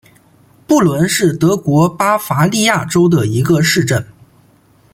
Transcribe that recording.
布伦是德国巴伐利亚州的一个市镇。